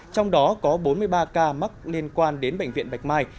trong đó có bốn mươi ba ca mắc liên quan đến bệnh viện bạch mai